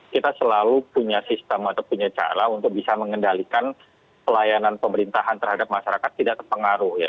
kita selalu punya sistem atau punya cara untuk bisa mengendalikan pelayanan pemerintahan terhadap masyarakat tidak terpengaruh ya